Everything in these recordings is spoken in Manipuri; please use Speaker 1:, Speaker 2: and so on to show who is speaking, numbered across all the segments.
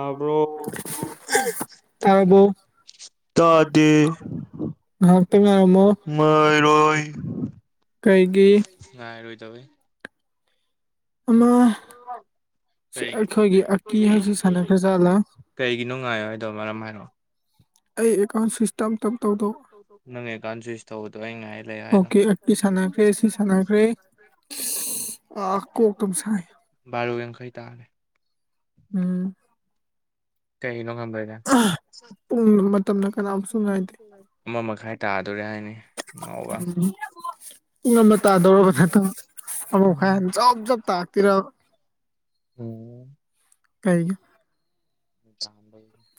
Speaker 1: ꯇꯥꯕ꯭ꯔꯣ [unintelligible] ꯇꯥꯔꯕꯣ
Speaker 2: ꯇꯥꯗꯦ
Speaker 1: [unintelligible] ꯉꯍꯥꯛꯇꯪ ꯉꯥꯏꯔꯝꯃꯣ
Speaker 2: ꯉꯥꯏꯔꯣꯏ
Speaker 1: ꯀꯩꯒꯤ
Speaker 2: ꯉꯥꯏꯔꯣꯏꯗꯧꯋꯤ꫰꫰
Speaker 1: ꯑꯃ
Speaker 2: ꯀꯔꯤ
Speaker 1: ꯑꯩꯈꯣꯏꯒꯤ ꯑꯀꯤ ꯍꯥꯏꯁꯤ ꯁꯥꯟꯅꯈ꯭ꯔꯖꯥꯠꯂ꯫
Speaker 2: ꯀꯔꯤꯒꯤꯅꯣ ꯉꯥꯏꯌꯣ ꯍꯥꯏꯗꯣ ꯃꯔꯝ ꯍꯥꯏꯔꯛꯑꯣ꯫
Speaker 1: ꯑꯩ ꯑꯦꯀꯥꯎꯟ ꯇꯞ ꯇꯞ ꯇꯧꯗꯧ
Speaker 2: ꯅꯪꯉꯀꯥꯟ ꯆꯨꯋꯏꯁ ꯇꯧꯕꯗꯣ ꯑꯩ ꯉꯥꯏ ꯂꯩ ꯍꯥꯏꯅ
Speaker 1: ꯑꯣꯀꯦ ꯑꯀꯤ
Speaker 2: [unintelligible]
Speaker 1: ꯑ ꯀꯣꯛ ꯇꯨꯝꯁꯥꯢ
Speaker 2: ꯕꯥꯔꯣ ꯌꯥꯡꯈꯩ ꯇꯥꯔꯦ
Speaker 1: ꯎꯝ
Speaker 2: ꯀꯩꯩꯅꯣ ꯉꯝꯕꯗ
Speaker 1: ꯄꯨꯡ ꯃꯇꯝꯅ ꯀꯅꯥꯝꯁꯨ ꯉꯥꯏꯗꯦ
Speaker 2: ꯑꯃ ꯃꯈꯥꯏ ꯇꯥꯗꯧꯔꯦ ꯍꯥꯏꯅꯤ [unintelligible]
Speaker 1: ꯄꯨꯡ ꯑꯃ ꯇꯥꯗꯧꯔꯕ ꯅꯠꯇꯣ ꯑꯃꯨꯛꯈꯥꯏ ꯖꯣꯞ ꯖꯣꯞ ꯇꯥꯔꯛꯇꯣꯏꯔꯕ
Speaker 2: ꯎꯝ
Speaker 1: ꯀꯩꯒꯤ
Speaker 2: [unintelligible]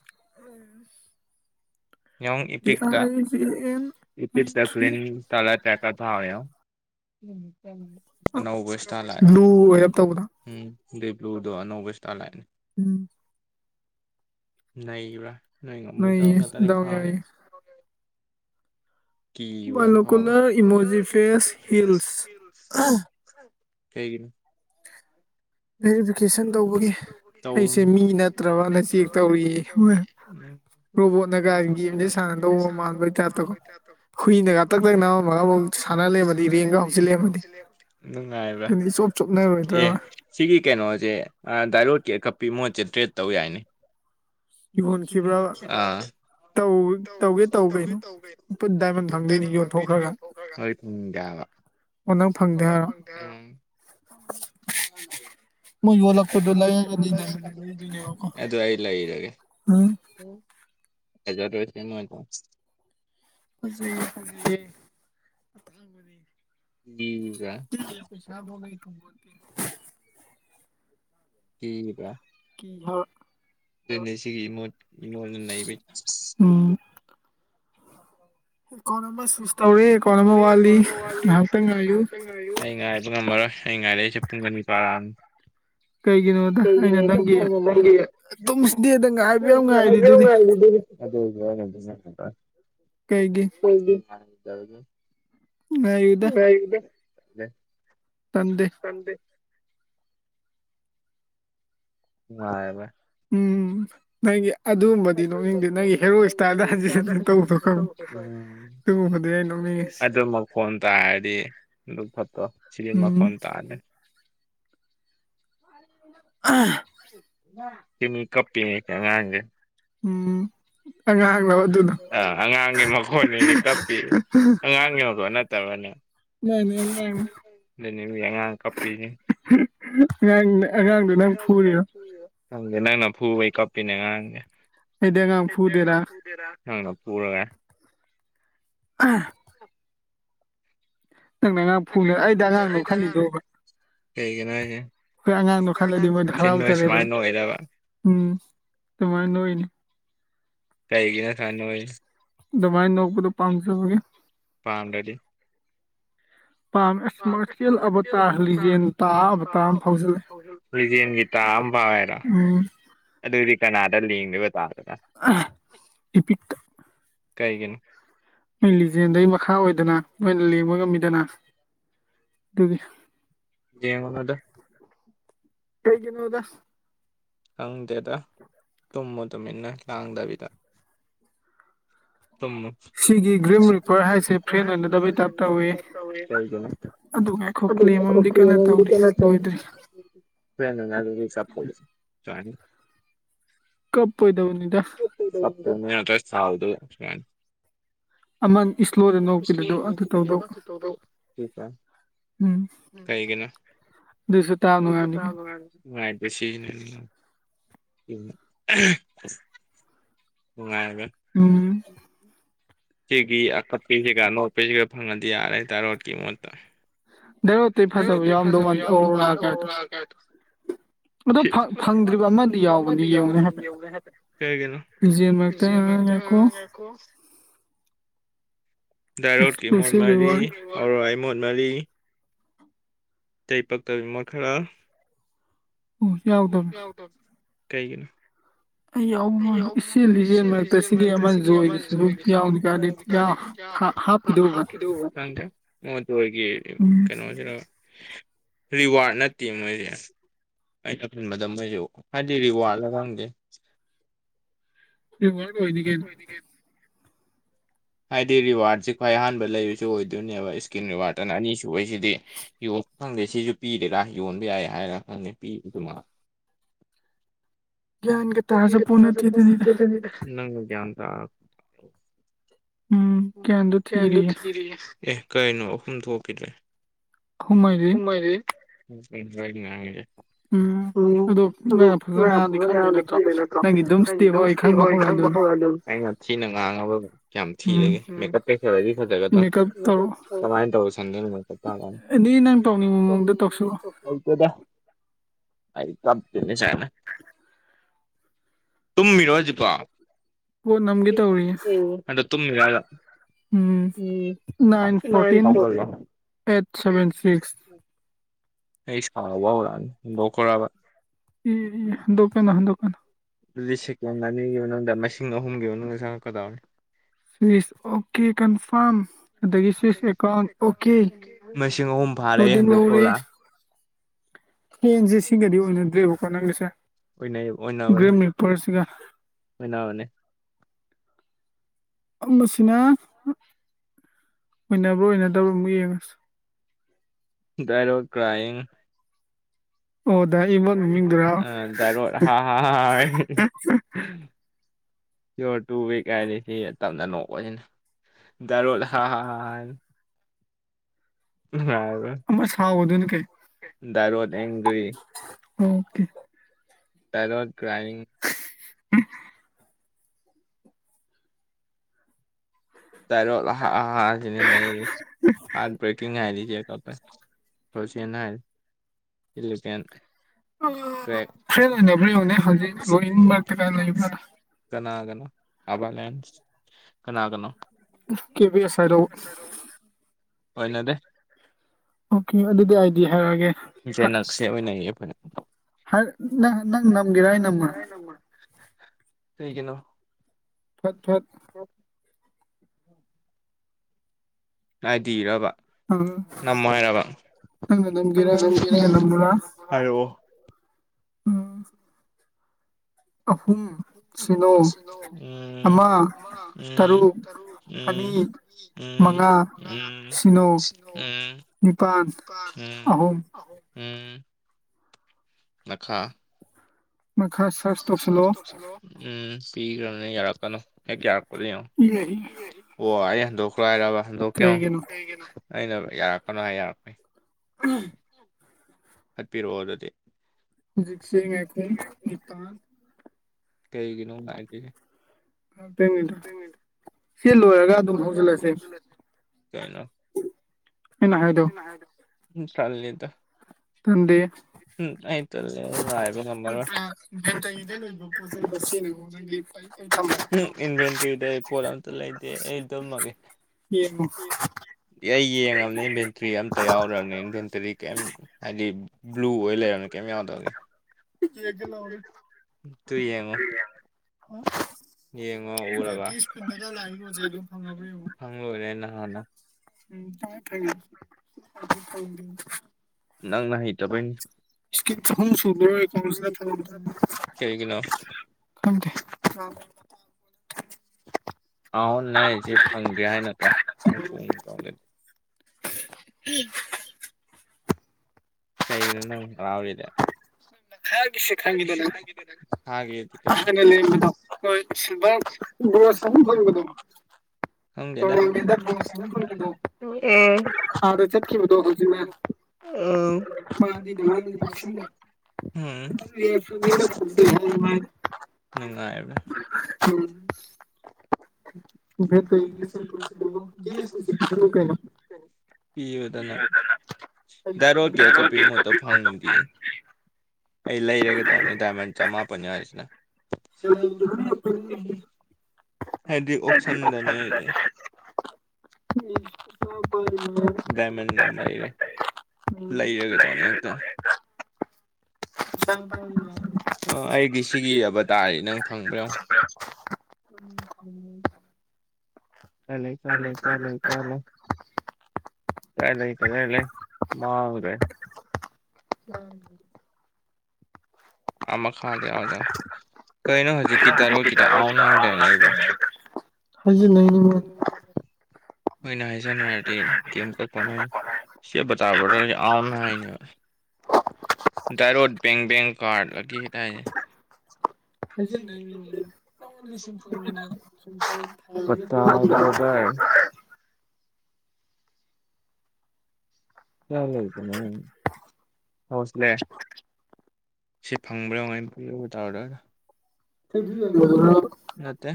Speaker 1: ꯑꯤ ꯑ ꯑꯥꯏ ꯖꯤ ꯏ ꯑꯦꯟ
Speaker 2: ꯏ ꯄꯤꯠꯁ ꯗ ꯄ꯭ꯂꯤꯟ [unintelligible] ꯑꯅꯧꯕ ꯏꯁꯇꯥꯔ
Speaker 1: ꯕ꯭ꯂꯨ
Speaker 2: ꯂꯥꯏꯠꯅꯤ
Speaker 1: ꯑꯣꯏꯔꯞ ꯇꯧꯕꯗꯣ
Speaker 2: ꯎꯝ ꯗꯤꯞ ꯕ꯭ꯂꯨꯗꯣ ꯑꯅꯧꯕ ꯏꯁꯇꯥꯔ ꯂꯥꯏꯠꯅꯤ
Speaker 1: ꯎꯝ
Speaker 2: ꯅꯩꯕ꯭ꯔꯥ ꯅꯣꯏ ꯉꯝꯃꯣꯏꯗꯕ
Speaker 1: ꯅꯩꯌꯦ
Speaker 2: ꯉꯥꯛꯇꯅꯤ
Speaker 1: ꯗꯥꯎ ꯌꯥꯏꯌꯦ
Speaker 2: ꯐꯥꯔꯤꯁꯤ ꯀꯤꯕ ꯑꯃ ꯐꯥꯎꯕ꯭ꯔ
Speaker 1: ꯕꯥꯏꯂꯣꯀꯨꯂꯔ ꯏꯃꯣꯖꯤ ꯐꯦꯁ ꯍꯤꯜꯁ
Speaker 2: [unintelligible] ꯀꯩꯒꯤ [unintelligible]
Speaker 1: ꯚꯦꯔꯤꯐꯤꯀꯦꯁꯟ ꯇꯧꯕꯒꯤ
Speaker 2: [unintelligible]
Speaker 1: ꯑꯩꯁꯦ
Speaker 2: ꯇꯧ
Speaker 1: ꯃꯤ ꯅꯠꯇ꯭ꯔꯕꯅ ꯆꯦꯛ ꯇꯧꯔꯤꯌꯦ
Speaker 2: [unintelligible]
Speaker 1: ꯔꯣꯕꯣꯠꯅꯒ ꯒꯦꯝꯖꯦ ꯁꯥꯟꯅꯗꯧꯕ ꯃꯥꯟꯕꯩ ꯇꯥꯏꯞꯇꯀꯣ ꯍꯨꯏꯅꯒ ꯇꯛ ꯇꯛ ꯅꯝꯃꯝꯃꯒ ꯑꯃꯨꯛ ꯁꯥꯟꯅ ꯂꯩꯔꯝꯃꯗꯤ ꯔꯦꯡꯒ ꯍꯧꯖꯤꯜ ꯂꯩꯔꯝꯃꯗꯤ
Speaker 2: [unintelligible] ꯅꯨꯡꯉꯥꯏꯕ꯭ꯔꯥ
Speaker 1: ꯑꯗꯨꯗꯤ ꯏꯆꯣꯞ
Speaker 2: ꯑꯦ
Speaker 1: ꯆꯣꯞꯅꯔꯣꯏꯗ꯭ꯔꯕ
Speaker 2: ꯁꯤꯒꯤ ꯀꯩꯅꯣꯖꯦ ꯑ ꯗꯥꯏꯂꯣꯠꯀꯤ ꯑꯀꯞꯄꯤ ꯃꯣꯠꯖꯦ ꯇ꯭ꯔꯦꯠ ꯇꯧ ꯌꯥꯏꯅꯦ ꯃꯁꯤꯗ
Speaker 1: ꯌꯣꯟꯈꯤꯕ꯭ꯔꯕ
Speaker 2: ꯑꯥ ꯇꯧ ꯇꯧ ꯇꯧꯒꯦ ꯇꯧꯋꯦ [unintelligible] ꯗꯥꯏꯃꯟ ꯗꯥꯏꯃꯟ ꯐꯪꯗꯣꯏꯅꯤ ꯌꯣꯟꯊꯣꯛꯈ꯭ꯔꯒ ꯍꯣꯏ ꯎꯪꯗꯦ ꯍꯥꯏꯕ ꯕꯣꯅꯁ [unintelligible] ꯕꯣꯅꯁ ꯐꯪꯗꯦ ꯍꯥꯏꯔꯣ ꯎꯝ
Speaker 1: ꯃꯣꯏ ꯌꯣꯜꯂꯛꯄꯗꯣ ꯂꯩꯔꯒꯗꯤ ꯗꯥꯏꯃꯟ
Speaker 2: [unintelligible] ꯑꯗꯨ ꯑꯩ ꯂꯩꯔꯒꯦ
Speaker 1: [unintelligible]
Speaker 2: ꯐꯖꯗꯣꯏ [unintelligible]
Speaker 1: ꯐꯖꯩꯌꯦ ꯐꯖꯩꯌꯦ [unintelligible]
Speaker 2: ꯎꯝ
Speaker 1: [unintelligible] ꯄꯩꯁꯥ ꯐꯪꯉꯤ ꯐꯪꯄꯣꯟꯇꯦ
Speaker 2: ꯀꯤꯕ꯭ꯔ
Speaker 1: ꯀꯤ ꯍꯥꯏꯕ
Speaker 2: ꯑꯗꯨꯅꯤ ꯁꯤꯒꯤ ꯏꯃꯣ ꯏꯃꯣꯅ ꯅꯩꯕꯩ ꯆ
Speaker 1: ꯎꯝ ꯑꯦꯀꯥꯎꯟ ꯑꯃ ꯁꯨꯁ ꯇꯧꯔꯦ ꯑꯦꯀꯥꯎꯟ ꯑꯃ ꯋꯥꯠꯂꯤ ꯉꯥꯏꯍꯥꯛꯇ ꯉꯥꯏꯌꯨ
Speaker 2: ꯑꯩ ꯉꯥꯏꯕ ꯉꯝꯃꯔꯣꯏ ꯑꯩ ꯉꯥꯏꯔꯛꯏꯁꯦ ꯄꯨꯡ ꯀꯟꯅꯤꯄꯥꯟꯔꯥꯡꯅꯤ
Speaker 1: ꯀꯩꯒꯤꯅꯣꯗ ꯑꯩꯅ ꯅꯪꯒꯤ
Speaker 2: ꯀ
Speaker 1: ꯇꯨꯝꯁꯗꯦꯗ ꯉꯥꯏꯕ ꯌꯥꯝ ꯉꯥꯏꯔꯤꯗꯨꯗꯤ
Speaker 2: ꯃ ꯑꯗꯨ
Speaker 1: ꯀꯩꯒꯤ
Speaker 2: [unintelligible]
Speaker 1: ꯉ ꯌꯗ
Speaker 2: ꯗ
Speaker 1: ꯇꯗꯦ
Speaker 2: ꯀꯦ ꯉꯕ
Speaker 1: ꯎꯝ ꯅꯪꯒꯤ ꯑꯗꯨꯨꯝꯕꯗꯤ ꯅꯣꯛꯅꯤꯡꯗꯦ ꯅꯪꯒꯤ ꯍꯦꯔꯣ
Speaker 2: ꯎꯝ
Speaker 1: ꯏꯁꯇꯥꯏꯜꯗ ꯍꯟꯖꯤꯟ ꯍꯟꯖꯤꯟ ꯇꯧꯕꯗꯣ ꯈꯪ ꯗꯨꯒꯨꯝꯕꯗꯨꯅꯦ ꯑꯩꯩꯅ ꯅꯣꯛꯅꯤꯡꯉꯤꯁꯤ
Speaker 2: ꯐꯣꯟ ꯇꯥꯔꯗꯤ ꯑꯗꯨ ꯐꯠꯇꯣ ꯁꯤꯗꯤ
Speaker 1: ꯎꯝ
Speaker 2: ꯃꯈꯣꯟ ꯇꯥꯗꯦ [unintelligible] ꯀꯞꯄꯤ ꯑꯉꯥꯡꯖꯦ
Speaker 1: ꯎꯝ ꯑꯉꯥꯡ ꯂꯧ ꯑꯗꯨ
Speaker 2: ꯑ ꯑꯉꯥꯡꯒꯤ ꯃꯈꯣꯜꯅꯤꯁꯤ ꯀꯞꯄꯤ ꯑꯉꯥꯡꯒꯤ ꯃꯈꯣꯜ ꯅꯠꯇꯕ꯭ꯔꯅꯦ
Speaker 1: ꯃꯥꯅꯦ ꯑꯉꯥꯡꯅꯦ
Speaker 2: ꯅꯦꯅꯦꯍꯣꯏꯒꯤ ꯑꯉꯥꯡ ꯀꯞꯄꯤꯅꯦ
Speaker 1: ꯅꯪꯅ ꯑꯉꯥꯡꯗꯣ ꯅꯪ ꯐꯨꯔꯤꯔꯣ
Speaker 2: ꯈꯪꯗꯦ ꯅꯪꯅ ꯐꯨꯕꯩ ꯀꯞꯄꯤꯅꯦ ꯑꯉꯥꯡꯖꯦ
Speaker 1: ꯑꯩꯗꯒ ꯐꯨꯗꯦꯔꯥ
Speaker 2: ꯍꯪꯅ ꯇꯔꯒ
Speaker 1: ꯑ ꯅꯪꯅ ꯑꯉꯥꯡ ꯐꯨꯅ ꯑꯩꯗꯤ ꯑꯉꯥꯡꯗꯣ ꯈꯜꯂꯤꯗꯣꯧꯕ
Speaker 2: ꯀꯩꯒꯤꯅꯣ ꯍꯥꯏꯁꯦ
Speaker 1: ꯅꯣꯛꯍꯜꯂꯗꯤ ꯃꯣꯏꯗꯣ
Speaker 2: ꯁꯤꯤꯟ ꯅꯣꯏ
Speaker 1: ꯍꯔꯥꯎꯖꯔꯦꯗꯅ
Speaker 2: ꯁꯨꯃꯥꯏꯅ ꯅꯣꯏꯗꯕ
Speaker 1: ꯎꯝ ꯇꯃꯥꯏ ꯅꯅꯦ
Speaker 2: ꯀꯥꯏꯒꯤꯅ ꯈꯅ ꯑꯣꯏꯌꯦ
Speaker 1: ꯑꯗꯨꯃꯥꯏꯅ ꯅꯣꯛꯄꯗꯣ ꯄꯥꯝꯖꯕꯒꯤ
Speaker 2: ꯄꯥꯝꯂꯤ
Speaker 1: ꯄꯥꯝꯃꯦ ꯑꯁꯃ ꯆꯦꯜꯂꯛꯑꯕ ꯇꯥꯜꯂꯤ ꯌꯦꯟ ꯇꯥꯕ ꯇꯥꯕ ꯐꯥꯎꯜꯂꯦ
Speaker 2: ꯂꯤꯖꯦꯟꯒꯤ ꯇꯥꯑ ꯑꯃꯐꯥꯎ ꯍꯥꯏꯔꯣ
Speaker 1: ꯎꯝ
Speaker 2: ꯑꯗꯨꯗꯤ ꯀꯅꯥꯗ ꯂꯦꯡꯗꯣꯏꯕ ꯇꯥꯗꯅ
Speaker 1: ꯔꯤꯄꯤꯠ
Speaker 2: ꯀꯥꯏꯒꯅꯤ
Speaker 1: ꯃꯣꯏ ꯂꯤꯖꯦꯜꯗꯒꯤ ꯃꯈꯥ ꯑꯣꯏꯗꯅ ꯂꯣꯏꯅ ꯂꯦꯡꯕ ꯉꯝꯃꯤꯗꯅ ꯑꯗꯨꯒꯤ
Speaker 2: ꯌꯦꯡꯉꯗ
Speaker 1: ꯀꯩꯒꯤꯅꯣꯗ
Speaker 2: ꯈꯪꯗꯦꯗ ꯇꯨꯝꯃꯨ ꯇꯨꯃꯤꯟꯅ ꯂꯥꯡꯗꯕꯤꯗ [unintelligible] ꯑꯗꯨꯗ
Speaker 1: ꯁꯤꯒꯤ ꯒ꯭ꯔꯤꯝ ꯔꯤꯄꯔ ꯍꯥꯏꯁꯦ ꯐ꯭ꯔꯦꯟ ꯑꯣꯏꯅꯗꯕꯩ ꯇꯥꯏꯞ ꯇꯧꯋꯦ ꯑꯗꯨ ꯉꯥꯏꯈꯣ ꯀ꯭ꯂꯦꯝ
Speaker 2: ꯍ
Speaker 1: ꯑꯃꯗꯤ ꯀꯟꯅ
Speaker 2: ꯍꯛꯂꯤꯅꯦ ꯏꯗꯤ
Speaker 1: ꯇꯧꯔꯤ
Speaker 2: ꯀꯦꯅꯥ ꯇꯥꯏ
Speaker 1: ꯂꯣꯏꯗ꯭ꯔꯤ
Speaker 2: ꯆ
Speaker 1: ꯀꯞꯄꯣꯏꯗꯕꯅꯤꯗ
Speaker 2: ꯁꯇꯅꯤ ꯅꯠꯇ ꯁꯥꯎꯗ
Speaker 1: ꯑꯃ ꯏꯁꯂꯣꯗ ꯅꯣꯛꯄꯤꯗꯨꯗꯣ ꯑꯗꯨ ꯇꯧꯗꯧꯕ
Speaker 2: ꯄ
Speaker 1: ꯎꯝ
Speaker 2: ꯀꯩꯒꯤꯅ
Speaker 1: ꯑꯗꯨꯁꯨ ꯇꯥꯕ ꯅꯨꯡꯉꯥꯏꯕꯅꯤ ꯀꯩꯅꯣ
Speaker 2: ꯥꯏꯗꯁꯤꯅ ꯎꯦ
Speaker 1: ꯎꯝ
Speaker 2: ꯁꯤꯒꯤ ꯑꯀꯠꯄꯁꯤꯒ ꯅꯣꯄꯩꯁꯤꯒ ꯐꯪꯉꯗꯤ ꯌꯥꯔꯦ ꯍꯥꯏꯇꯥꯔꯣꯠꯀꯤ ꯃꯣꯠꯇ
Speaker 1: ꯗꯥꯏꯔꯣꯠꯇꯩ ꯐꯖꯕ ꯌꯥꯎꯔꯝꯗꯧ ꯃꯥꯟꯗꯦ
Speaker 2: ꯈꯖꯗ ꯃꯥ
Speaker 1: ꯑꯧꯔꯥ ꯀꯥꯏꯗꯣ
Speaker 2: ꯊ ꯀ
Speaker 1: [inaudible] ꯐꯪꯗ꯭ꯔꯤꯕ ꯑꯃꯗꯤ
Speaker 2: ꯧꯦ
Speaker 1: ꯌꯥꯎꯕꯅꯤ
Speaker 2: ꯍꯥꯏ ꯀꯅꯣ
Speaker 1: ꯖꯤꯟ ꯃꯇꯀꯣ
Speaker 2: ꯀꯣ ꯗꯥꯏꯔꯣꯠꯀꯤ
Speaker 1: ꯑꯦꯛꯁꯀ꯭ꯂꯨꯁꯤꯞ
Speaker 2: ꯃꯣꯟꯃꯔꯤ
Speaker 1: ꯔꯤꯋꯥꯔꯗ
Speaker 2: ꯑꯔꯋꯥ ꯏ ꯃꯣꯟꯃꯔꯤ ꯏꯩ ꯄꯛꯇꯕꯤꯃ ꯈꯔ
Speaker 1: ꯑꯣ ꯌꯥꯎꯗꯕꯅꯤ
Speaker 2: ꯀꯩꯒꯤꯅꯣ
Speaker 1: ꯑꯩ ꯌꯥꯎꯕ ꯃꯥꯜꯂꯣ ꯏꯆꯦꯜ ꯂꯤꯆꯦꯜ ꯃꯔꯛꯇ ꯁꯤꯒꯤ ꯑꯃ ꯖꯣꯏꯒꯤꯁꯨ ꯑꯗꯨꯝ ꯌꯥꯎꯅꯤ ꯀꯥꯟꯗ
Speaker 2: ꯃ ꯑꯣꯏꯒꯤ
Speaker 1: ꯎꯝ
Speaker 2: ꯀꯩꯅꯣꯁꯤꯔ ꯔꯤꯋꯥꯔꯠ ꯅꯠꯇꯦ ꯃꯣꯏꯁꯦ ꯑꯩꯅ ꯈꯟꯕꯗ ꯃꯣꯏꯁꯦ ꯍꯥꯏꯗꯤ ꯔꯤꯋꯥꯔꯗꯂ ꯈꯪꯗꯦ
Speaker 1: ꯔꯤꯋꯥꯔꯗ
Speaker 2: ꯎ
Speaker 1: ꯑꯣꯏꯅꯤ ꯀꯩꯅꯣ
Speaker 2: ꯍꯥꯏꯗꯤ ꯔꯤꯋꯥꯔꯠꯁꯦ ꯈ꯭ꯋꯥꯏ ꯑꯍꯥꯟꯕ ꯂꯩꯕꯁꯨ ꯑꯣꯏꯗꯣꯏꯅꯦꯕ ꯏꯁꯀ꯭ꯔꯤꯟ ꯔꯤꯋꯥꯔꯠ ꯑꯅ ꯑꯅꯤ ꯁꯤꯩꯁꯤꯗꯤ ꯌꯣꯟ ꯈꯪꯗꯦ ꯁꯤꯁꯨ ꯄꯤꯔꯦꯔꯥ ꯌꯣꯟꯕ ꯌꯥꯏ ꯍꯥꯏꯔ ꯈꯪꯗꯦ ꯄꯤ ꯑꯗꯨꯃ
Speaker 1: ꯒ꯭ꯌꯥꯟꯒ ꯇꯥꯖ
Speaker 2: ꯪ
Speaker 1: ꯄꯣꯠ ꯅꯠꯇꯦ ꯑꯗꯨꯅꯤꯗ
Speaker 2: ꯇ
Speaker 1: ꯎꯝ ꯒ꯭ꯌꯥꯟꯗꯣ
Speaker 2: ꯀ ꯑꯗꯨ
Speaker 1: ꯊꯤꯔꯤꯌꯦ
Speaker 2: ꯊꯔꯤ ꯑꯦ ꯀꯩꯅꯣ ꯑꯍꯨꯝ ꯊꯣꯛꯈꯤꯗ꯭ꯔꯦ
Speaker 1: ꯑꯍꯨꯝ ꯍꯥꯏꯗꯤ
Speaker 2: ꯎꯝ
Speaker 1: ꯎꯝ ꯑꯗꯣ ꯅꯪ ꯐꯖꯅ
Speaker 2: ꯐ
Speaker 1: ꯉꯥꯡꯉꯗꯤ ꯈꯪꯗꯣꯏ
Speaker 2: ꯉ
Speaker 1: ꯅꯠꯇ꯭ꯔꯣ ꯅꯪꯒꯤ ꯑꯗꯨꯝ ꯏꯁꯇꯦꯞ
Speaker 2: ꯗꯝ ꯍꯣꯏ ꯈꯪꯕ
Speaker 1: ꯍꯧꯔꯛꯑꯗꯣꯏꯅꯤ
Speaker 2: ꯍ ꯑꯗꯨ ꯊꯤꯅ ꯉꯥꯡꯉꯕ ꯀꯌꯥꯝ
Speaker 1: ꯎꯝ
Speaker 2: ꯊꯤꯔꯒꯦ ꯃꯦꯞ ꯀꯩ ꯈꯔꯗꯤ ꯐꯖꯒꯗ
Speaker 1: ꯃꯦꯀꯞ ꯇꯧꯔꯣ
Speaker 2: ꯀꯃꯥꯏꯅ ꯇꯧ ꯁꯟꯗꯦ
Speaker 1: ꯑꯦꯅꯤ ꯅꯪ ꯇꯧꯅꯤꯡꯕ ꯃꯑꯣꯡꯗ ꯇꯧꯁꯤ
Speaker 2: ꯑꯩꯗ ꯑꯩ ꯇꯞ ꯆꯅ ꯇꯨꯝꯃꯤꯔꯣ ꯍꯧꯖꯤꯛꯀꯣ
Speaker 1: ꯄꯣꯠ ꯅꯝꯒꯦ ꯇꯧꯔꯤꯌꯦ
Speaker 2: ꯑꯗꯣ ꯇꯨꯝꯃꯤꯔꯣꯒ um
Speaker 1: nine fourteen eight seven six
Speaker 2: ꯑꯩ ꯁꯥꯎꯕ ꯍꯧꯔꯅꯤꯗ ꯀꯕ
Speaker 1: ꯑꯦ ꯍꯟꯗꯣꯛꯀꯅꯥ ꯍꯟꯗꯣꯛꯀꯅꯣ
Speaker 2: ꯑꯗꯨ ꯂꯤ ꯁꯦꯀꯦꯟ ꯑꯅꯤꯒꯤ ꯃꯅꯨꯡꯗ ꯃꯁꯤꯡ ꯑꯍꯨꯝꯒꯤ ꯃꯅꯨꯡꯗ ꯆꯪꯉꯛꯀꯗꯧꯅꯤ
Speaker 1: ꯐꯁ ꯑꯣꯀꯦ ꯀꯟꯐꯥꯔꯝ ꯑꯗꯒꯤ ꯁ꯭ꯋꯤꯁ ꯑꯦꯀꯥꯎꯟ ꯑꯣꯀꯦ
Speaker 2: ꯃꯁꯤꯡ ꯑꯍꯨꯝ ꯐꯥꯔꯦ ꯑꯩ
Speaker 1: ꯂꯣꯗꯤꯡ ꯂꯧꯔꯦ
Speaker 2: ꯍꯟꯗꯣꯛꯈ꯭ꯔꯣꯔꯥ
Speaker 1: ꯍꯦꯟꯁꯦ ꯁꯤꯒꯗꯤ ꯑꯣꯏꯅꯅꯗ꯭ꯔꯦꯕꯀꯣ ꯅꯪꯒꯁꯦ
Speaker 2: ꯑꯣꯏꯅꯩ
Speaker 1: ꯒ꯭ꯔꯦ ꯃꯤꯜꯄꯔ ꯁꯤꯒ
Speaker 2: ꯅꯥꯎꯅꯦ
Speaker 1: ꯃꯁꯤꯅ ꯑꯣꯏꯅꯕ꯭ꯔꯥ ꯑꯣꯏꯅꯗꯕ꯭ꯔꯥ ꯑꯃꯨꯛ ꯌꯦꯡꯉꯁꯤ
Speaker 2: ꯗꯔꯣ ꯀ꯭ꯔꯥꯏꯡ
Speaker 1: ꯍꯗ
Speaker 2: ꯑ ꯇꯔ ꯍꯥ ꯍꯥ ꯄꯤꯌꯣꯔ ꯇꯨ ꯋꯤꯛ ꯍꯥꯏꯗꯤ ꯁꯤ ꯇꯞꯅ ꯅꯣꯛꯄꯁꯤꯅ ꯗꯔꯣꯜ ꯍꯥ ꯍꯥ ꯅꯨꯡꯉꯥꯏꯔꯣꯏ
Speaker 1: ꯑꯃ ꯁꯥꯥꯎ ꯑꯣ ꯑꯗꯨꯅ ꯀꯩ
Speaker 2: ꯗꯥꯏꯔꯣꯠ ꯑꯦꯡꯒ꯭ꯔꯤ
Speaker 1: ꯑꯣꯀꯦ
Speaker 2: ꯇꯥꯏꯣ ꯭ꯔ ꯇꯔꯣ ꯍꯥ ꯭ꯔꯦꯀꯤ ꯍꯥꯏ ꯂꯤ ꯀꯄꯦ ꯊꯣꯁꯤꯅ ꯏꯜꯂ ꯀꯦꯟ
Speaker 1: ꯑ ꯐ꯭ꯔꯦꯟ ꯑꯣꯏꯅꯕ꯭ꯔꯎꯅꯦ ꯍꯧꯖꯤꯛ ꯂꯣꯏ ꯃꯔꯛꯇ ꯀꯥꯏꯅ ꯂꯩꯕ꯭ꯔꯗ
Speaker 2: ꯀꯅꯥ ꯀꯅꯣ ꯑꯕꯂꯦꯟꯁ ꯀꯅꯥ ꯀꯅꯣ
Speaker 1: ꯀꯦꯕꯤ ꯑꯦ ꯁꯥꯏꯠꯧ
Speaker 2: ꯑꯣꯏꯅꯅꯦꯦ
Speaker 1: ꯑꯣꯀꯦ ꯑꯗꯨꯗꯤ ꯑꯩꯗꯤ ꯍꯥꯏꯔꯑꯒꯦ
Speaker 2: ꯏꯆꯦ ꯅꯛꯁꯦ ꯑꯣꯏꯅ ꯑꯩꯈꯣꯏꯅ
Speaker 1: ꯍꯥꯏꯔ
Speaker 2: ꯀ ꯀꯩꯅꯣ
Speaker 1: ꯐꯠ ꯐꯠ
Speaker 2: ꯎꯝ ꯥꯏꯗꯤꯔꯕ
Speaker 1: ꯑꯥ
Speaker 2: ꯅꯝꯥꯏꯔꯕ
Speaker 1: ꯅꯪꯅ ꯅꯝꯒꯦꯔꯥ ꯑꯩꯅ ꯅꯝꯃꯨꯔꯥ
Speaker 2: ꯍꯥꯏꯔꯛꯑꫭ ꯎꯝ
Speaker 1: ꯑꯍꯨꯝ ꯁꯤꯅꯣ
Speaker 2: ꯎꯝ
Speaker 1: ꯑꯃ
Speaker 2: ꯎꯝ
Speaker 1: ꯇꯔꯨꯛ
Speaker 2: ꯎꯝ
Speaker 1: ꯑꯅꯤ ꯃꯉꯥ
Speaker 2: ꯎ ꯁꯣ
Speaker 1: ꯁꯤꯅꯣ
Speaker 2: ꯁꯤꯣ ꯇ
Speaker 1: ꯅꯤꯄꯥꯜ
Speaker 2: ꯀꯥ
Speaker 1: ꯑꯍꯨꯝ
Speaker 2: ꯅꯈꯥ
Speaker 1: ꯃ ꯈꯔ ꯁꯋꯥꯁꯇꯁꯤꯂꯣ
Speaker 2: ꯎꯝ ꯄꯤꯈ꯭ꯔꯕꯅꯦ ꯌꯥꯔꯛꯀꯅꯨ ꯍꯦꯛ ꯌꯥꯔꯛꯄꯅꯦ ꯌꯦꯡꯉꯣ ꯑꯣ ꯑꯩ ꯍꯟꯗꯣꯛꯈ꯭ꯔ ꯍꯥꯏꯔꯕ ꯍꯟꯗꯣꯛꯀꯦꯉꯣ
Speaker 1: ꯀꯩꯒꯤꯅꯣ
Speaker 2: ꯑꯩꯅ ꯌꯥꯔꯛꯄꯅꯨ ꯍꯥꯏ ꯌꯥꯔꯛꯄꯩ ꯍꯥꯠꯄꯤꯔꯔꯕꯗꯗꯤ
Speaker 1: ꯖꯤꯛꯁ ꯃꯦꯀ ꯃꯇꯥꯟ
Speaker 2: ꯀꯩꯒꯤꯅꯣ ꯂꯥꯛꯇꯔꯤꯁꯦ cannot hear
Speaker 1: ꯉꯥꯛꯇꯪꯅꯤꯗ ꯁꯤ
Speaker 2: properly
Speaker 1: ꯂꯣꯏꯔꯒ
Speaker 2: and
Speaker 1: ꯑꯗꯨꯝ
Speaker 2: low
Speaker 1: ꯍꯧꯖꯤꯜꯂꯁꯦ
Speaker 2: voice ꯀꯅꯣ
Speaker 1: ꯑꯩꯅ ꯍꯥꯏꯗꯣ
Speaker 2: ꯇꯥꯟꯂꯤꯗ
Speaker 1: ꯇꯥꯟꯗꯦ
Speaker 2: ꯎꯝ ꯑꯩ ꯇꯥꯟꯂ ꯉꯥꯏꯕ ꯉꯥꯝꯃꯔꫭ
Speaker 1: ꯃꯦꯟꯇꯒꯤꯗ ꯂꯩꯕ ꯄꯣꯠ ꯆꯩ ꯃꯁꯤꯡ ꯑꯃꯒꯤ ꯄꯩ ꯊꯝ
Speaker 2: ꯎꯝ ꯏꯟꯚꯦꯟꯇ꯭ꯔꯤꯗ ꯑꯩ ꯄꯣꯠ ꯑꯝꯇ ꯂꯩꯇꯦ ꯑꯩ ꯑꯗꯨꯝꯃꯒꯦ
Speaker 1: ꯌꯦꯡꯑꫭ
Speaker 2: ꯑꯩ ꯌꯦꯡꯉꯕꯅꯦ ꯏꯟꯚꯦꯟꯇ꯭ꯔꯤ ꯑꯃꯝꯇ ꯌꯥꯎꯔꯕꯅꯦ ꯏꯟꯚꯦꯟꯇ꯭ꯔꯤ ꯀꯩ ꯍꯥꯏꯗꯤ ꯕ꯭ꯂꯨ ꯑꯣꯏ ꯂꯩꯔꯕꯅꯤ ꯀꯩꯝ ꯌꯥꯎꯗꯕꯒꯦ
Speaker 1: ꯌꯦꯡꯉ ꯂꯣꯏꯔꯦ
Speaker 2: ꯇꯨꯏꯌꯦꯡꯉꯑꫭ ꯌꯦꯉꯣ ꯎꯔꯕꯔꯥ ꯐꯪꯂꯣꯏꯔꯦ ꯅ ꯍꯥꯟꯅ
Speaker 1: ꯎꯝ ꯐ
Speaker 2: ꯅꯪꯅ ꯍꯩꯇꯕꯒꯅꯤ
Speaker 1: ꯏꯁꯀꯤꯞ ꯑꯍꯨꯝ ꯁꯨꯗꯣꯔꯦ ꯑꯦꯀꯥꯎꯟꯁꯤꯗ
Speaker 2: ꯀꯩꯒꯤꯅ
Speaker 1: ꯊꯝꯗꯦ
Speaker 2: ꯑꯥ ꯅ ꯑꯩꯁꯦ ꯐꯪꯗꯦ ꯍꯥꯏ ꯅꯠꯇ꯭ꯔꯥ
Speaker 1: ꯎꯝ
Speaker 2: ꯀꯩꯒꯤꯅꫭ ꯅꯪ ꯍꯔꯥꯎꯔꯗꯤ
Speaker 1: ꯎꯝ ꯈꯒꯤꯁꯨ ꯈꯪꯒꯤꯗ ꯅꯪ
Speaker 2: ꯃꯈꯥꯒꯤꯗꯤ ꯀꯩꯅꯣ
Speaker 1: ꯍꯣꯏ ꯁꯤꯕꫪ ꯐꯕꯗꯣ
Speaker 2: ꯈꯪꯗꯦꯗ
Speaker 1: ꯑꯥꯗ ꯆꯠꯈꯤꯕꯗꯣ ꯍꯧꯖꯤꯛꯅ
Speaker 2: ꯑꯥ
Speaker 1: ꯃꯥꯗꯤ ꯃꯥꯒꯤ ꯂꯧꯁꯤꯡꯗ
Speaker 2: ꯑ ꯃꯥꯔ
Speaker 1: No
Speaker 2: ꯅꯤꯡꯉꯥꯏꯕꯅꯦ
Speaker 1: word
Speaker 2: ꯒꯩꯁꯇꯁꯨ ꯄꯤꯁꯤꯟꯂꯛꯑꫭ
Speaker 1: ꯀꯩꯅꯣ
Speaker 2: ꯀꯩꯅꫭ ꯄꯤꯔꫭꯗꯅ ꯗꯥꯏꯔꯣ ꯀ ꯀꯄꯤ ꯃꯠꯇꯣ ꯐꯪꯗꯤ ꯑꯩ ꯂꯩꯔꯒꯦ ꯇꯧꯅꯤ ꯗꯥꯏꯃꯟ ꯆꯃꯥꯄꯟ ꯌꯥꯎꯔꯤꯁꯤꯅ ꯍꯥꯏꯗꯤ ꯑꯣꯛꯁꯟꯗꯅꯦ ꯍꯥꯏꯁꯦ
Speaker 1: ꯄ
Speaker 2: ꯗꯥꯏꯃꯟ ꯌꯥꯝ ꯂꯩꯔꯦ ꯂꯩꯔꯦꯒ ꯇꯧꯕꯅꯦ ꯍꯦꯛꯇ ꯑ ꯑꯩꯒꯤ ꯁꯤꯒꯤ ꯇ ꯅꯪ ꯐꯪꯕ꯭ꯔ ꯌꯦꯡꯑꫭ ꯇꯥꯂꯦ ꯇꯥꯂꯦ ꯇꯥꯂꯦ ꯇꯥꯂꯦ ꯀꯥꯏꯂꯩ ꯀꯗꯥꯏꯂꯩ ꯅꯥꯋꯥ ꯂꯧꯗꯦ ꯎꯝ ꯑꯥ ꯃꯈꯥꯗ ꯌꯥꯎꯖꯥꯠ ꯀꯩꯅꯣ ꯍꯧꯖꯤꯛꯀꯤ ꯗꯥꯏꯔꯣꯠꯀꯤꯗꯣ ꯑꯥꯎꯟ ꯍꯥꯏꯗꯥꯏꯅꯦ ꯑꯩꯕꯣ [inaudible]
Speaker 1: ꯍꯥꯏꯖꯤꯟꯅꯩꯅꯤꯅꯦ
Speaker 2: ꯍꯣꯏꯅ ꯍꯥꯏ ꯁꯥꯟꯅꯔꯗꯤ ꯒꯦꯝ ꯂꯣꯏ ꯀꯣꯅꯩ ꯆꯦꯞꯄ ꯇꯥꯕ꯭ꯔꯥꯗ ꯑꯥꯎꯅ ꯍꯥꯏꯅꯦꯕ ꯗꯥꯏꯔꯣꯠ ꯕꯦꯡ-ꯕꯦꯡ ꯀꯥꯔꯠꯑꯒꯤ ꯍꯤꯗꯥꯏꯅꯦ
Speaker 1: ꯍꯥꯏꯖꯤꯟꯅꯩ ꯅꯪꯉꯣꯟꯗ ꯁꯨꯝ ꯐꯪꯉꯤꯗ ꯁꯨꯝ
Speaker 2: [unintelligible] ꯄꯠꯇꯥ ꯕꫭꯗꯔ ꯆꯂ ꯂꯤꯔꯕꫭ ꯅꯪ ꯑꫭ ꯁꯤꯗꯂꯩꯔꯦ ꯁꯤ ꯐꯪꯕ꯭ꯔꯥꯥ ꯌꯦꯡꯑꫭ ꯄꯨꯤꯕ ꯇꯥꯔꯗꯔ
Speaker 1: ꯊ
Speaker 2: ꯅꯠꯇꯦ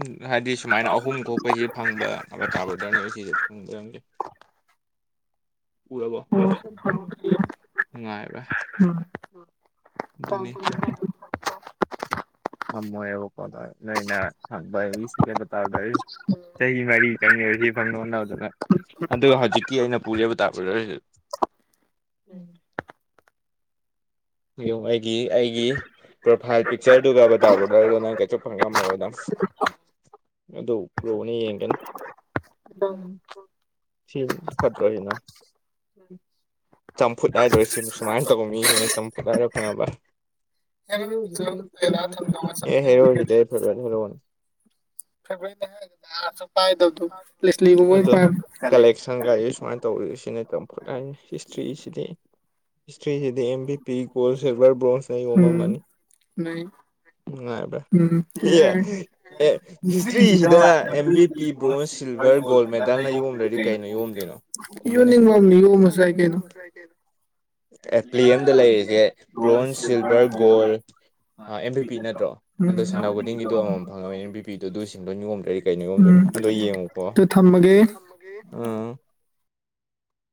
Speaker 2: ꯎ ꯍꯥꯏꯗꯤ ꯁꯨꯃꯥꯏꯅ ꯑꯍꯨꯝ ꯊꫭꯛꯄꯩꯁꯤꯗ ꯐꯪꯕ ꯑꯕꯇꯥꯔ ꯕꫭꯗꫪꯅꯦ ꯁꯤꯁꯦ ꯐꯪꯖꯔꯝꯒꯦ
Speaker 1: [inaudible]
Speaker 2: ꯎꯔꯥꯕꯣ ꯅꯨꯡꯉꯥꯏꯔꯥ ꯑꯗꯨꯅꯤ [inaudible] ꯉꯝꯃꯣꯏꯕ ꯀꯥꯗꯥꯏꯗꯩ ꯅꯩꯅ ꯍꯪꯕ ꯏꯤꯁ [unintelligible] ꯀꯥꯇꯥꯔꯗꯩ ꯆꯍꯤ ꯃꯔꯤ ꯆꯪꯅꯤꯕ ꯁꯤ ꯐꯪꯅꯕ ꯍꯣꯠꯅꯕꯗ ꯅꯪ ꯑꯗꯨꯒ ꯍꯧꯖꯤꯛꯀꯤ ꯑꯩꯅ ꯄꯨꯔꯤꯕ ꯗꯥꯛ ꯔꯨꯂ꯭ꯔꯖꯤ
Speaker 1: ꯎꯝ [inaudible]
Speaker 2: ꯑꯩꯒꯤ-ꯑꯩꯒꯤ ꯄ꯭ꯔꯣꯐꯥꯏꯜ ꯄꯤꯛꯆꯔꯗꯨꯒ ꯕꯗꯥꯔꯕꯣꯔꯗꯔ ꯅꯪ ꯀꯩꯁꯨꯛ ꯐꯥ ꯉꯝꯃꯔꯣꯏꯗꯝ ꯑꯗꯨ ꯀꯂꯣ ꯑꯩꯅ ꯌꯦꯡꯒꯟ ꯁꯤ ꯐꯠꯇꯔꯣ ꯑꯩ ꯅꯨꯅ ꯆꯝꯐꯨꯠ ꯍꯥꯏꯗꯣꯏꯔꯤꯁꯤꯕꯨ ꯁꯨꯃꯥꯏꯅ ꯇꯧꯕ ꯃꯤꯅ ꯆꯝꯐꯨꯠ ꯍꯥꯏꯔꯣ ꯈꯪꯑꯕ ꯑꯦ ꯍꯦꯔꯣꯗꯨꯗꯤ ꯑꯩ ꯐꯦꯕ꯭ꯔꯥꯠ ꯍꯦꯔꯣꯅꯦ
Speaker 1: ꯐꯦꯕ꯭ꯔꯥꯠꯇ ꯍꯥꯏꯔꯒ ꯅꯥ ꯑꯆꯧ ꯄꯥꯏ
Speaker 2: ꯑꯗꯣ ꯀꯂꯦꯛꯁꯟꯒ ꯑꯦꯁ ꯋꯥꯟ ꯇꯧꯔꯤꯁꯤꯅꯦ ꯀꯝꯐꯨꯠ ꯍꯥꯏꯅꯤ ꯍꯤꯁꯇ꯭ꯔꯤꯁꯤꯗꯤ ꯍꯤꯁꯇ꯭ꯔꯤꯁꯤꯗꯤ ꯑꯦꯝ ꯕꯤ ꯄꯤ ꯒꯣꯜ
Speaker 1: ꯄꯥꯏꯕ
Speaker 2: ꯁꯤꯜꯚꯔ ꯕ꯭ꯔꯣꯟꯖ
Speaker 1: ꯎꯝ
Speaker 2: ꯌꯣꯝꯃꯝꯃꯅꯤ
Speaker 1: ꯅꯩ
Speaker 2: ꯅꯨꯡꯉꯥꯏꯕ꯭ꯔꯥ
Speaker 1: ꯎꯝ [inaudible] ꯕꯣꯁ
Speaker 2: ꯑꯦ
Speaker 1: ꯁꯤꯜꯕ꯭ꯔ
Speaker 2: ꯍꯤꯁꯇ꯭ꯔꯤꯁꯤꯗ M B P bronze silver
Speaker 1: gold ꯃꯦꯗꯜꯅ ꯌꯣꯝꯗ꯭ꯔꯥꯗꯤ
Speaker 2: ꯌꯣꯝꯗ꯭ꯔꯗꯤ
Speaker 1: ꯀꯩꯅꯣ
Speaker 2: ꯌꯣꯝꯗꯣꯏꯅꯣ ꯈꯨꯝꯃꯨꯅꯦ
Speaker 1: ꯌꯣꯝꯅꯤꯡ-ꯌꯣꯝꯅꯤꯡ ꯌꯣꯃꯥꯁꯨ ꯌꯥꯏ ꯀꯩꯅꯣ [inaudible]
Speaker 2: ꯑꯦ ꯄ꯭꯭ꯂꯤ ꯑꯦꯝꯗ ꯂꯩꯔꯤꯒꯦ ꯕ꯭ꯔꯣꯟꯖ ꯁꯤꯜꯚꯔ ꯒꯣꯜ ꯑꯥ ꯑꯦꯝ ꯕꯤ ꯄꯤ ꯅꯠꯇ꯭ꯔꯣ ꯑꯗꯣ
Speaker 1: ꯎꯝ
Speaker 2: ꯁꯥꯟꯅꯕ ꯈꯨꯗꯤꯡꯒꯤꯗꯨ ꯑꯃꯃꯝ ꯐꯪꯉꯥꯕꯅꯤꯅ ꯑꯦꯝ ꯕꯤꯗꯨ ꯑꯗꯨ ꯁꯤꯡꯗꯨꯅ ꯌꯣꯝꯗ꯭ꯔꯥꯗꯤ ꯀꯩꯅ
Speaker 1: ꯎꯝ
Speaker 2: ꯌꯣꯝꯗꯣꯏꯅꯣ ꯑꯗꯣ ꯌꯦꯡꯉꯨꯀꯣ
Speaker 1: ꯇꯨ
Speaker 2: ꯑꯩ
Speaker 1: ꯊꯝꯃꯒꯦ
Speaker 2: ꯊꯝꯃꯥꯒꯦ-ꯊꯝꯃꯥꯒꯦ ꯎꯝ